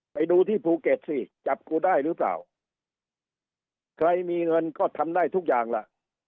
ไปดูที่ภูเก็ตสิจับกูได้หรือเปล่าใครมีเงินก็ทำได้ทุกอย่างล่ะ